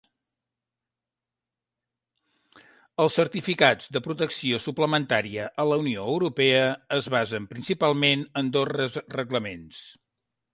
Els certificats de protecció suplementària a la Unió Europea es basen principalment en dos reglaments.